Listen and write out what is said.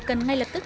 cần ngay lập tức